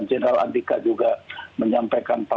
jenderal andika perkasa